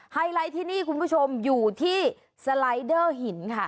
ไฮไลท์ที่นี่คุณผู้ชมอยู่ที่สไลด์เดอร์หินค่ะ